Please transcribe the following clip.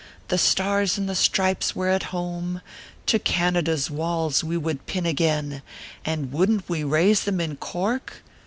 The Stars and the Stripes here at home To Canada s walls we would pm again, And wouldn t we raise them m Cork